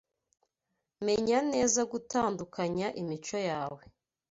menya neza gutandukanya imico yawe